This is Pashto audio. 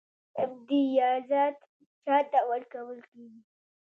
امتیازات چا ته ورکول کیږي؟